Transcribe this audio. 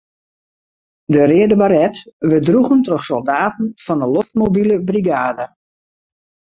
De reade baret wurdt droegen troch soldaten fan 'e loftmobile brigade.